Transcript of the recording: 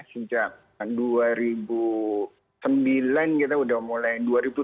sejak dua ribu sembilan kita udah mulai